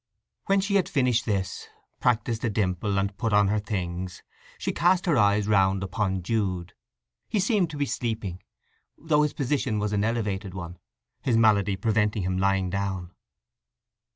When she had finished this, practised a dimple, and put on her things, she cast her eyes round upon Jude. He seemed to be sleeping, though his position was an elevated one, his malady preventing him lying down.